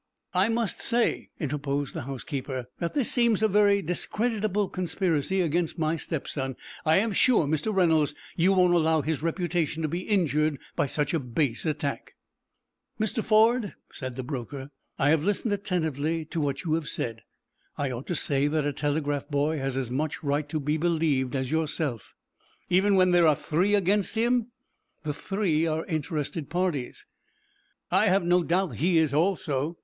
"I must say," interposed the housekeeper, "that this seems a very discreditable conspiracy against my stepson. I am sure, Mr. Reynolds, you won't allow his reputation to be injured by such a base attack." "Mr. Ford," said the broker, "I have listened attentively to what you have said. I ought to say that a telegraph boy has as much right to be believed as yourself." "Even when there are three against him?" "The three are interested parties." "I have no doubt he is also.